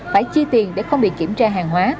phải chi tiền để không bị kiểm tra hàng hóa